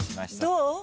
「どう？」